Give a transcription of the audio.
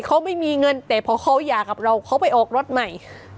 เขาไม่มีเงินแต่พอเขาหย่ากับเราเขาไปออกรถใหม่